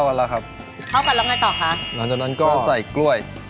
หลังจากนั้นก็ใส่กล้วย